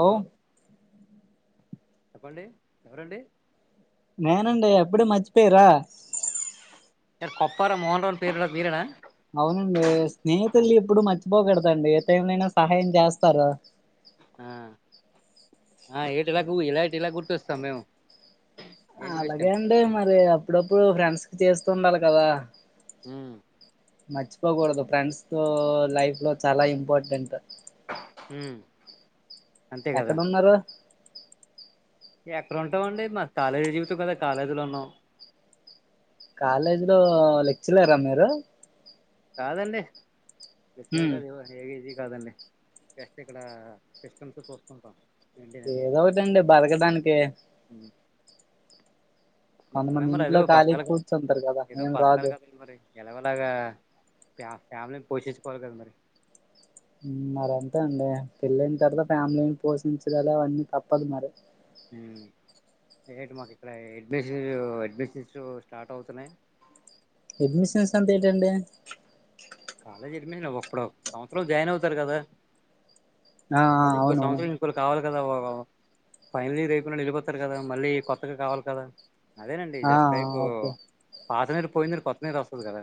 Hello చెప్పండి ఎవరండి నేనండి అప్పుడే మర్చిపోయిరా సార్ కొప్పార మోండవన్ పేరు వీరనా [unintelligible] అవునండి స్నేహితుల్ని ఎప్పుడు మర్చిపోగడదండి ఏ టైమ్నైనా సహాయం చేస్తారు ఆ ఏటిలాగ ఇలా ఇ ఇలా [unintelligible] గుర్తొస్తాం మేము ఏంటి అలాగే విషయం అండి మరి అప్పుడప్పుడు ఫ్రెండ్స్ కి చేస్తు ఉండాలి కదా ఉం మర్చిపోకూడదు ఫ్రెండ్స్ తో లైఫ్ లో చాలా ఇంపార్టెంట్ ఉం ఎక్కడ ఉన్నారు ఎక్కడ ఉంటాం అండి మాది కాలేజీ జీవితాం కదా కాలేజీలో ఉన్నాం కాలేజీ లో లెక్చరర్ ఆ మీరు కాదండి లెక్చరర్ హ్మ్, కాదు ఏధీ కాదండి జస్ట్ ఇక్కడ సిస్టమ్స్ చూస్తుంటాం ఏదో ఒకటండి బతకడానికి అ [unintelligible] బతకాల కొంతమంది మరి ఇంట్లో అదో ఖాళీ బతకలు కూర్చుంటారు కదా ఏదో ఏం బతకలు రాదు కద మరి ఎలాగోలాగా ఫ్యా ఫ్యామిలీని పోషించుకోవాలి కదా మరి ఉం మరి అంతే అండి పెళ్ళన తర్వాత ఫ్యామిలీని పోషించడద అవన్నీ తప్పదు మరి ఉం ఇగ ఇటు మాకు ఇక్కడ అడ్మిషన్ అడ్మిషన్స్ స్టార్ట్ అవుతున్నాయి అడ్మిషన్స్ అంటే ఏంటండీ కాలేజ్ ఎడ్మిషన్ ఒక్కడ సంవత్సరం జాయిన్ అవుతారు కదా ఆ మళ్ళీ ఇంకో అవునవును సంవత్సరం కావాలి కదా ఫైనలీయర్ అయిపోనోల్లు వేళ్ళిపోతారు కదా మళ్ళీ కొత్తగా కావాలి కదా అదేనండి ఆ జస్ట్ లైక్ ఓకే పాత నీరు పోయిందటే కొత్త నీరు వస్తుంది కదా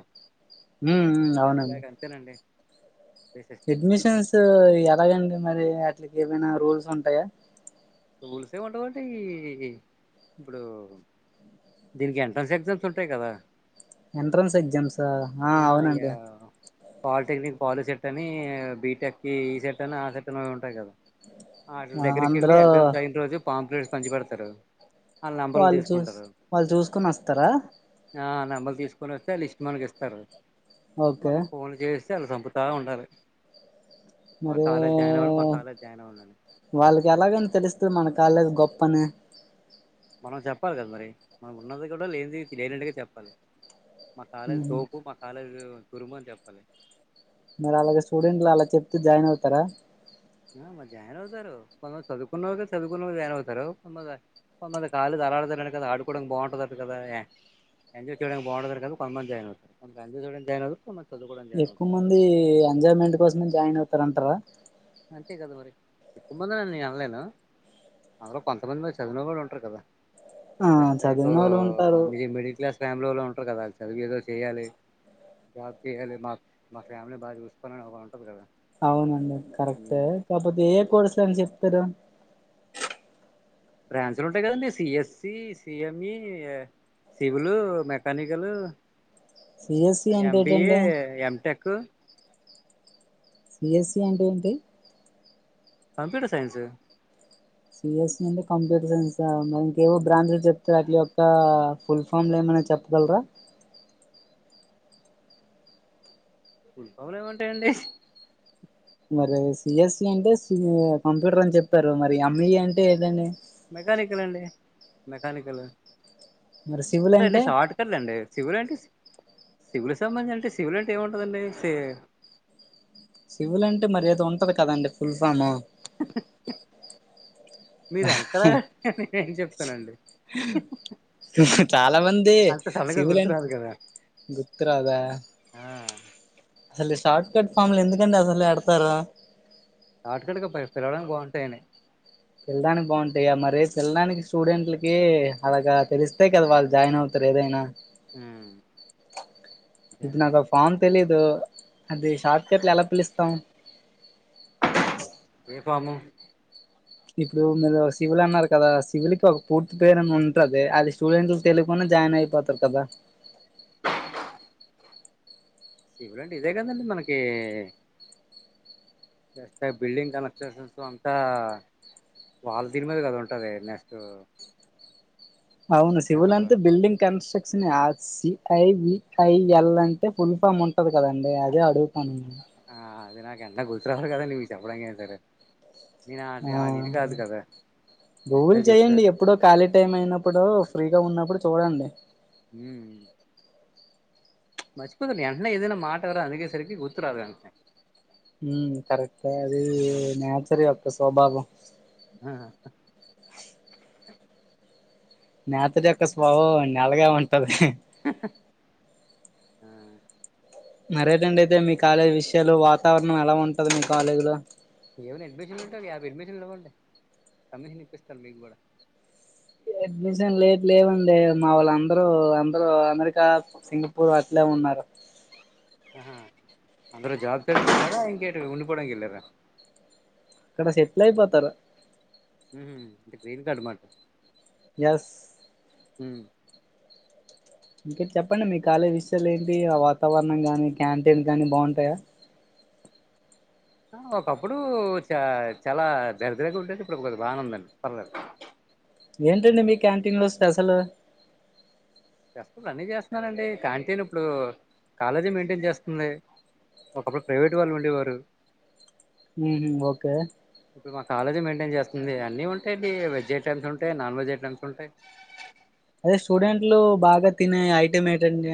ఉం జస్ట్ లైక్ అంతేనండి సిస్టమ్ అడ్మిషన్స్ ఎలాగండి మరి అట్లకి ఏమైనా రూల్స్ ఉంటాయా టూల్సే ఉంటవుండి ఇప్పుడు దీనికి ఎంట్రన్స్ ఎగ్జమ్ ఉంటాయి కదా ఎంట్రన్స్ ఎగ్జామ్స్ ఆ అవునండి పాలిటెక్నిక్ కి పాలి సెట్ అని బీటెక్ కి ఈ సెట్ అని ఆ సెట్ అని ఉంటాయి కదా ఆ వాటిల దగ్గరికి వెళ్ళి ఎగ్జామ్స్ అయిన రోజు పాంప్లలేట్స్ పంచిపేడతారు వాళ్ళు చూస్ వాళ్ళు చూసుకుని వస్తారా ఆ నెంబర్ తీసుకొని వస్తే లిస్ట్ మనకి ఇస్తారు ఓకే మనం ఫోన్ చేసి ఇచ్చి వాల్లు సంపుత ఉండాలి మా మరి కాలేజ్ జాయిన్ అవ్వాలి మా కాలేజ్ జాయిన్ అవ్వాలని వాళ్ళకి ఎలాగని తెలుస్తుంది మన కాలేజు గొప్పని మనం చెప్పాలి కదా మరి మనం ఉన్నది కూడా లేని లేనట్టుగా చెప్పాలి మా కాలేజ్ ఉహు. తోపు మా కాలేజ్ తురుము అని చెప్పాలి మరీ అలాగే స్టూడెంట్లు అలా చెప్తూ జాయిన్ అవుతారా ఆ మరి జాయిన్ అవుతారు కొంత చదువుకున్నళ్రకి చదువుకున్నళ్ళ జాయిన్ అవుతారు కొంత [unintelligible] కొ ాళీ అ ఆలాతనని కదా ఆడుకోవడానికి బాగుంటుందింట కదా ఎంజాయ్ చేయడానికి బా [unintelligible] గుంటదిని కొంద మంది జాన్ అవుతు రంజ జయిన్వు కొ మ చదు జయిన్వుతుంది కొంత మంది ఎంజాయ్మెంట్ కోసమే జాయిన్ అవుతారంటారా అంతే కదా మరి ఎక్కువ మంది అని నేను అనలేను అందులో కొంతమంది మరి చదివన వొళ్ళు కూడా ఉంటారు కదా ఆ జస్ట్ లైక్ చదివిన వాళ్ళు ఉంటారు మీది మిడిల్ క్లాస్ ఫ్యామిలీలో ఉంటారు కదా చదువి ఏదో చేయ్యాలి జాబ్ చేయాలి మాకు మా ఫ్యామిలీ బా చూసుకోవాలని ఏదో ఉంటది కదా అవునండి కరెక్టే కాకపోతే ఏయే కోర్సు అని చెప్తారు బ్రాంచ్లు ఉంటాయి కదండి CSC CME civil mechanical CSC అంటే ఎంబిఏ ఏంటండి ఎటెక్ సిఎస్ఈ అంటే ఏంటి కంప్యూటర్ సైన్స్ సిఎస్ఈ అంటే కంప్యూటర్ సైన్సా నేను ఇంకేవో బ్రాంచ్లు చెప్తారు అట్లా ఇంకా ఫుల్ ఫామ్లు ఏమనా చెప్పగలరా [unintelligible] ఏమింటాయండి మరి సిఎస్ఈ అంటే కంప్యూటర్ అని చెప్పారు మరి ఎంఈఈ అంటే ఏదండి మెకానికల్ అండి మెకానికల్ మరి సివిల్ అంటే అండి షార్ట్ దండి సివిల్ అంటే సివిల్ సంబంధించిన అంటే సివిల్ అంటే ఏముంటుందండి సి సివిల్ అంటే మరి ఏదో ఉంటది కదండి ఫుల్ ఫాము మీరాన్ నేను చెప్తానండి చాలా మంది అంత సడన్గా సివిల్ అం గుర్తురాదు కదా గుర్తు రాదా ఆ అసలు ఈ షార్ట్ కట్ ఫామ్లు ఎందుకండి అసలు ఎడతారు ఆటకడక పిలవడం బాగుంటాయని పిల్డానికి బాగుంటాయి మరి పిల్డాడానికి స్టూడెంట్లకి అలాగా తెలిస్తే కదా వాళ్ళు జాయిన్ అవుతారు ఏదైనా హ్మ్ ఇది నాకు ఫామ్ తెలీదు అది షార్ట్కట్లు ఎలా పిలుస్తాం ఏ ఫాము ఇప్పుడు మీరు సివిల్ అన్నారు కదా సివిల్ కి ఒక పూర్తి పేరుని ఉంటది అది స్టూడెంట్లు తెలీకుండా జాయిన్ అయిపోత కదా [unintelligible] ఇదే కదండి మనకి స్తే బిల్డింగ్ కన్స్ట్రక్షన్స్ అంతా వాళ్ళ దీని మీద కదా ఉంటది నెక్స్ట్ అవును సివిల్ అంత ఏమంటారు బిల్డింగ్ కన్స్ట్రక్షనే సిఐ విఐఎల్ అంటే ఫుల్ ఫామ్ ఉంటది కదండి అదే అడుగుతాను నేను ఆ అది నాకు ఎంత గుర్తురావాలి కదండి నీకు చెప్పడానికి అయిన సరే నేను ఆ అది ఇది కాదు కదా ఫస్ట్ లో గూగుల్ చేయండి చెప్తారు ఎప్పుడో ఖాళీ టైం అయినప్పుడు ఫ్రీగా ఉన్నప్పుడు చూడండి హ్మ్ మర్చిపోతున్న ఎంటనే ఏదన్న మాట ఎవరు అడిగేసరికి గుర్తు రాదు ఎంటనే హ్మ్ కరెక్ట్ కాదు అది నేచర్ యొక్క స్వభావం ఆ నేచర్ యొక్క స్వభావం అండి అలాగె ఉంటది హ్మ్ మరేదండి అయితే మీ కాలేజీ విషయాలు వాతావరణం ఎలా ఉంటది మీ కాలేజీ లో ఏమైనా అడ్మిషన్లు ఉంటే ఆ అడ్మిషన్లు ఇవ్వండి కమీషన్ ఇప్పిస్తారు మీకు కూడా అడ్మిషన్ లేద్ లేదండి మా వాళ్ళ అందరూ అందరూ అమెరి కా సింగపూర్ అట్లే ఉన్నారు అందరూ జాబ్ చేయడానికి ఎల్లారా ఇంకేటి ఉండిపోడానికి ఎల్లారా అక్కడ సెట్లై పోతారు మ్మ్ అంటే గ్రీన్ కార్డు మాట ఎస్ మ్మ్ ఇంకా చెప్పండి మీ కాలేజ్ విషయాలు ఏంటి వాతావరణం కానీ క్యాంటీన్ కానీ బాగుంటాయా ఆ ఒకప్పుడు చ చాలా దరిద్రంగా ఉండేది ఇప్పుడు కొద్దిగా బాగానే ఉందండి పర్లేదు ఏంటండి మీ క్యాంటీన్ లో స్పెషల్ స్పెషల్ అన్నీ చేస్తున్నారండి క్యాంటీన్ ఇప్పుడు కాలేజీ మెయింటైన్ చేస్తుంది ఒకప్పుడు ప్రైవేట్ వాళ్ళు ఉండేవారు మీలు ఓకే ఇప్పుడు మా కాలేజ్ మెయింటైన్ చేస్తుంది అన్నీ ఉంటాయండి వెజ్ ఐటమ్స్ ఉంటాయి నాన్ వెజ్ ఐటమ్స్ ఉంటాయి అదే స్టూడెంట్లు బాగా తినే ఐటం ఏటండి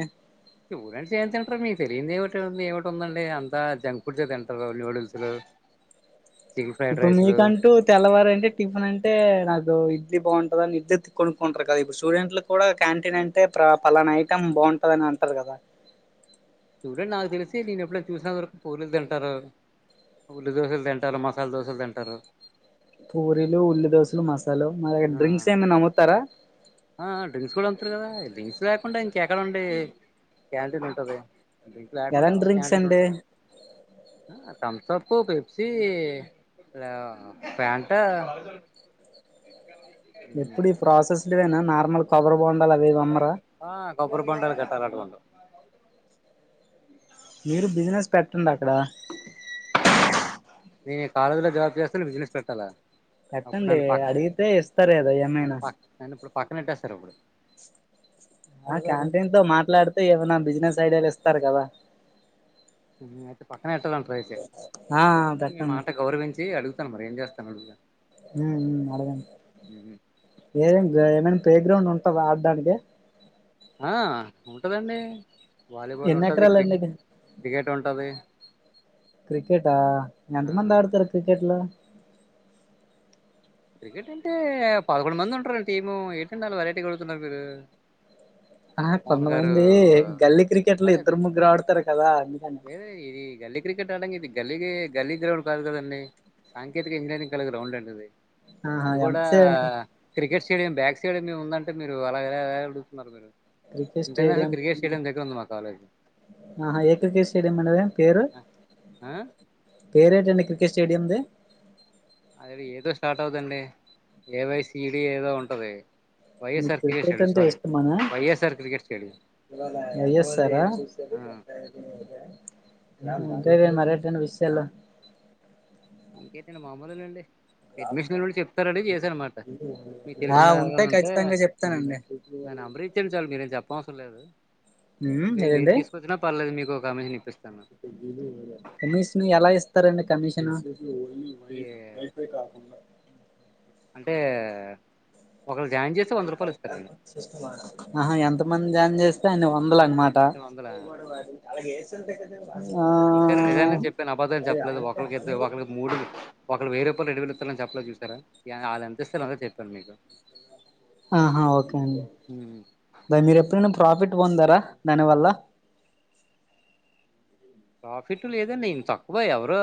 స్టూడెంట్స్ ఏం తింటారు మీకు తెలియనిది ఏమిటో ఏముంటుంది అండి అంతా జంక్ ఫుడ్స్ ఏ తింటారు నూడిల్స్ లు ఇప్పుడు మీ కంటూ తెల్లవారంది టిఫిన్ అంటే నాకు ఇడ్లీ బాగుంటుది అని ఇడ్లీ తి కొనుక్కుంటారు కదా ఇప్పుడు స్టూడెంట్లు కూడా క్యాంటీన్ అంటే ప్ర పలానా ఐటమ్ బాగుంటాది అని అంటారు కదా స్టూడెంట్ నాకు తెలిసి నేను ఎప్పుడన్నా చూసినంత వరకు పూరిలు తింటారు ఉల్లి దోశలు తింటారు మసాలా దోశలు తింటారు పూరీలు ఉల్లిదోశలు మసాలు మరి డ్రింక్స్ ఏమన్నా అమ్ముతార ఆ ఆ డ్రింక్స్ కూడా అమ్ముతారు కదా డ్రింక్స్ లేకుండా ఇంకా ఎక్కడండి క్యాంటీన్ ఉంటాది డ్రింక్ లేకుండా ఎలాంటి డ్రింక్స్ క్యాంటీన్ అండి ఉంటాద ఆ థమ్సాప్ పెప్సీ ఆ ప్యాంటా ఎప్పుడు ఈ ప్రాసెస్ లువేనా నార్మల్ కొబ్బరి బొండాలు అవి ఇవి అమ్మరా ఆ కొబ్బరి బొండాలు గట్టాలట్టుండవు మీరు బిజినెస్ పెట్టండి అక్కడ నేను కాలేజ్ లో జాబ్ చేస్తాను బిజినెస్ పెట్టాలా అప్పుడు పెట్టండి నన్ను పక్క అడిగితే ఇస్తారు కదా నన్ను ఏమైనా పక్క నన్ను ఇప్పుడు పక్కన పెట్టేస్తారు ఇప్పుడు ఆ క్యాంటీన్ తో మాట్లాడితే ఏమైనా బిజినెస్ ఐడియాలు ఇస్తారు కదా నిను అయితే పక్కన పెట్టాలంటారు అయితే ఆ మీ పెట్టండి మాట గౌరవించి అడుగు తాను మరి ఏం చేస్తాను అడుగుతా మ్మ్ హ్మ్ అడగండి ఏమి ఏమైనా ప్లే గ్రౌండ్ ఉంటందా ఆడ్డానికి ఆ ఉంటాది అండి వాలీబాల్ ఎన్ని ఉంటాది క్రి ఎకరాలండి క్రికెట్ ఉంటాది క్రికెట్ ఆ ఆ ఎంతమంది ఆడుతారు క్రికెట్ లో క్రికెట్ అంటే పదకొండు మంది ఉంటారు గా టీము ఏటాండి అలా వెరైటీగా అడుగుతున్నారు మీరు ఆ మోహన్ గారు కొంతమంది గల్లీ క్రికెట్ లో ఇద్దరు ముగ్గురు ఆడుతారు కదా అని వేరే ఇది గల్లీ క్రికెట్ ఆడడాంగా ఇది గల్లీకి గల్లీ గ్రౌండ్ కాదు కదండి సాంకేతిక ఇంజనీరింగ్ కలిగిన గ్రౌండ్ అండి అది ఆహా అది కూడా ఎంతసే క్రికెట్ స్టేడియం బ్యాక్ స్టేడియం మీము ఉందంటే మీరు అలా ఎలాలా అడుగుతున్నారు మీరు cricket international stadium cricket stadium దగ్గర ఉంది మా కాలేజ్ ఆహా ఏ క్రికెట్ స్టేడియం అండి దానిపేరు ఆ పేరేటండి క్రికెట్ స్టేడియం ది అది ఏ తో స్టార్ట్ అవుదండి ఏవై సీడీ ఏదో ఉంటాది మీకు వైఎస్ఆర్ క్రికెట్ స్టేడి అంటే sorry YSR cricket stadium Y S R ఆ ఆ మ్మ్ ఇంకా ఏం మరి ఎటాన్న విషయాలు ఇంకేంటి అండి మామూలేండి అడ్మిషన్ [unintelligible] చెప్తారని చేశా అన్నమాట మీకు ఆ తెలిసిన వాళ్ళు ఎవరున్నా ఉంటే ఖచ్చితంగా చెప్తానండి నా నెంబర్ ఇచ్చేయండి చాలు మీరు ఏమి చెప్పనవసరం లేదు ఉమ్ లేదు మీరు ఏంటండి తీసుకొచ్చిన పలేదు మీకు ఓ కమీషన్ ఇప్పిస్తా కమిషన్ ఎలా ఇస్తారండి కమిషన్ ఉ ఈ అంటే ఒకరు జాయిన్ చేస్తే వంద రూపాయలు ఇస్తా రన్ ఆహా ఎంత మంది జాన్ చేస్తే అన్ని వందలు అన్నమాట అంటే వందలా చూసారా నిజానే ఆ చెప్పాను అబద్ధాలు ఒకళ్రు వెయ్యి రూపాయల రెండు వేళ్ళు ఇస్తారు అని చెప్ప లేదు చూసారా యళ్ళు ఎంత ఇస్తారో అంతే చెప్పా మీకు ఆహా ఓకే అండి ఉమ్, బా మీరు ఎప్పుడైనా ప్రాఫిట్ పొందార దానివల్ల ప్రాఫిట్ లేదండి ఇన్ తక్కువే ఎవరు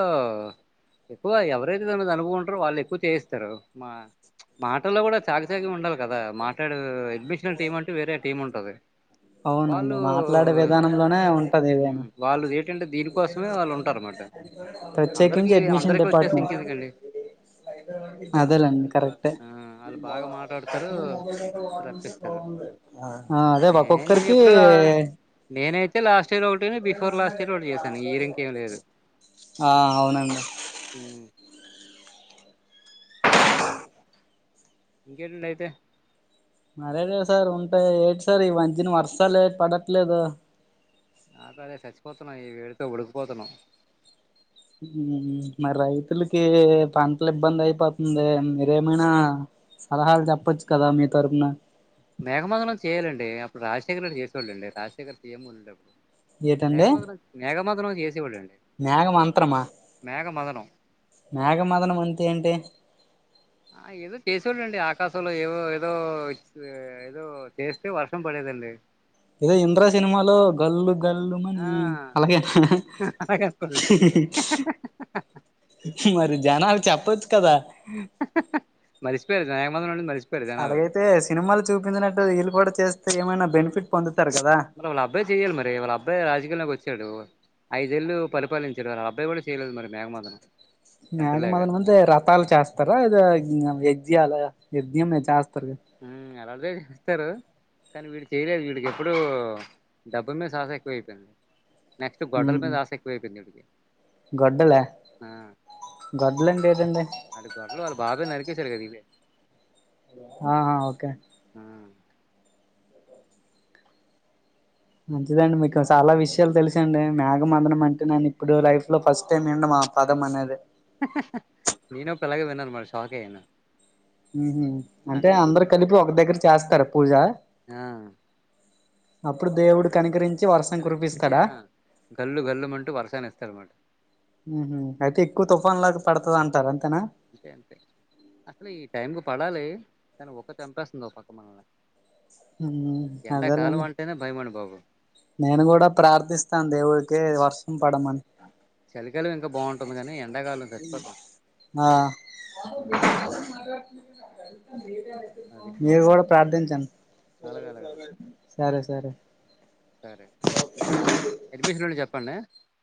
ఎక్కువ ఎవరైతే దాని మీద అనుభవ ఉంటారో వాళ్లు ఎక్కువ చేయిస్తారు మా ప్చ్ మాటల్లో కూడా చాగు సేగం ఉండాలి కదా మాట్లాడే అడ్మిషనల్ టీమ్ అంటే వేరే టీం ఉంటది అవునండి వాళ్ళు మాట్లాడే విధానంలోనే ఉంటది ఏదైనా హ్మ్ వాళ్ళు ఏటంటే దీనికోసమే వాళ్ళు ఉంటారన్నమాట. ప్రత్యేకించి అందరికి ఓకే. అడ్మిషన్ అందరికి వచ్చేసి డిపార్ట్మెంట్ ఇంకెందుకండి. ఫైద అదేలేండి కరెక్ట్ ఏయ్ ఆ ఆళ్ళు బాగా మాట్లాడతారు అదే ఒకో నేను ఎప్పుడు ఆ నేనైతే లాస్ట్ ఒక్కటి నీ బిఫోర్ లాస్ ఆ అవునండి హు ఇంకేటండి అయితే నరే డే సార్ ఉంటాయి ఏటి సార్ ఈ మధ్యన వర్షాలు ఎటీ పడట్లేదు నాతో అదే చచ్చిపోతున్నా ఈ వేడితో ఉడికిపోతున్నాం ఉహు మరి రైతులకి పంటల ఇబ్బంది అయిపోతుంది మీరే ఏమైనా సలహాలు చెప్పచ్చు కదా మీ తరఫున మేఘమధులం సీరియల్ అండి అప్పుడు రాజేఖరెడ్డి చేసేవాళ్ళు అండి రాజశేఖర్ సి యం గా ఉండేటోళ్లు ఏటండి మేఘమధురం మేఘమధనం చేసేవాడు అండి మేఘ మంత్రమా మేఘమధనం మేఘమదనం అంతే ఏంటి ఆ ఏదో చేసే వాళ్ళు అండి ఆకాశంలో ఎవో ఏదో సు ఏదో చేస్తే వర్షం పడేది అండి ఇదో ఇంద్రా సినిమాలో గల్లు గల్లు మని అలాగే నా ఆహా అలాగే అన్నుకోండి అహహా మరి జనాలు చెప్పచ్చు కదా ఆహా మరిచి పోయారు [unintelligible] మార్చ్ అలాగైతే సినిమాలు చూపించినట్టు వీళ్ళు కూడా చేస్తే ఏమైనా బెనిఫిట్ పొందుతారు కదా మరి వాళ్ళ అబ్బాయి చేయాలి మరి వాళ్ళ అబ్బాయి రాజకీయంలోకి వచ్చాడు ఐదేళ్ళు పరిపాలించారు ఆ అబ్బాయి కూడా చేయలేదు మేఘమధునం మేఘమదనం అంతే రథాలు చేస్తారా ఇద ఇ ఎజ్యాల యజ్యం చేస్తారు దా ఉహ్మ్ లాంటిదే చేస్తారు కానీ వీడు చేయలేదు వీడికి ఎప్పుడు డబ్బ మీద శ్వాస ఎక్కువ అయిపోయింది నెక్స్ట్ గొడల్ మీద ఆశ ఎక్కువైపోయింది వీడికి గొడ్డల ఆ గొడ్డలి అంటే ఏటండి అది గొడలు వాళ్ళు బాబే నరికేేశాడు కథ వీడే ఆ ఓకే అం ఆ మంచిదండి మీకు చాలా విషయాలు మంచిదే అండి మీకు చాలా విషయాలు తెలుసండి మేఘ మదనం అంటే నేను ఇప్పుడు లైఫ్ లో ఫస్ట్ టైం ఇండమ్ పదం అనేది నేను పిల్లాగ విన్నాను మరి షాక్ అయ్యాను ఉహు అంటే అందుకే గుర్తు అందరు కలిపి ఒక దగ్గర చేస్తారు పూజ ఆ అప్పుడు దేవుడు కనుకరించి వర్షం తన కురిపిస్తాడా ఆ గల్లు గల్లుమంటూ వర్షాలు ఇస్తారు అన్నమాట ఉహు అయితే ఎక్కువ తుఫాన్ లాగా పడతాది అంటారు అంతేనా అంతే అండి అసలు ఈ టైం కి పడాలి కానీ ఉడుకు చంపేస్తుంది పక్క మనల్ని ఉహు ఎండాకాలం అదేలేండి అంటేనే భయమండి బాబు నేను కూడా ప్రార్థిస్తాను దేవుడికి వర్షం ఉమ్. పడమని ఇ చలికాలం ఇంకా బాగుంటుంది కానీ ఎండాకాలం చచ్చిపోతాం ఆ ఉమ్, అది మీరు కూడా ప్రార్థించండి అలాగ సరే అలాగ అలాగ సరే సరే సరే సరే కనిపించినప్పుడు చెప్పండి